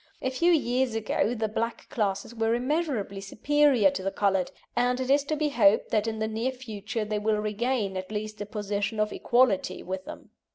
A few years ago the black classes were immeasurably superior to the coloured, and it is to be hoped that in the near future they will regain at least a position of equality with them.